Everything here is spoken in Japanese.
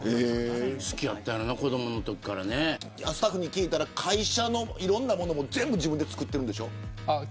好きやったんやろうな子どものときからスタッフに聞いたら会社のいろんなものも全部自分で作ってるんでしょ。